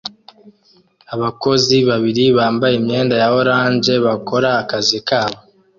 Abakozi babiri bambaye imyenda ya orange bakora akazi kabo